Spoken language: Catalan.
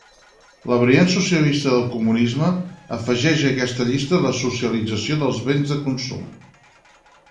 La variant socialista del comunisme afegeix a aquesta llista la socialització dels béns de consum.